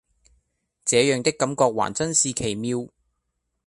這樣的感覺還真是奇妙